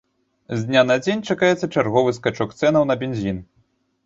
З дня на дзень чакаецца чарговы скачок цэнаў на бензін.